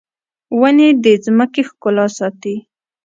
ونې د ځمکې ښکلا ساتي